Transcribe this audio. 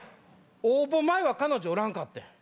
応募前は彼女おらんかってん。